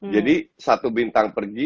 jadi satu bintang pergi